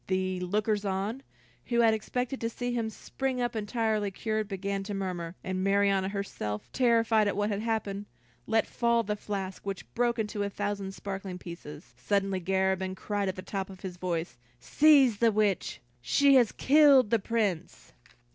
The lookers on, who had expected to see him spring up entirely cured, began to murmur, and Marianna herself, terrified at what had happened, let fall the flask, which broke into a thousand sparkling pieces. Suddenly, Garabin cried at the top of his voice, "Seize the witch; she has killed the Prince!"